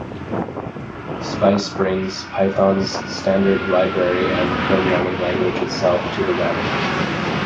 Spyce brings Python's standard library and the programming language itself to the web.